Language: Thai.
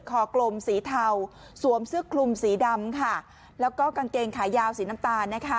กลมสีเทาสวมเสื้อคลุมสีดำค่ะแล้วก็กางเกงขายาวสีน้ำตาลนะคะ